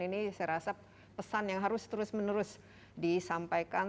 ini saya rasa pesan yang harus terus menerus disampaikan